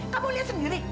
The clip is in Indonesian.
kamu lihat sendiri